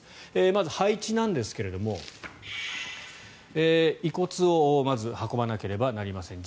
まず配置なんですが、遺骨をまず運ばなければなりません。